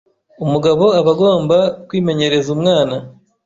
umugabo aba agomba kwimenyereza umwana